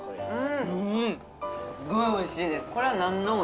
すっごいおいしいです・